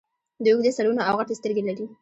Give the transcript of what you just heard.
دوی اوږده سرونه او غټې سترګې لرلې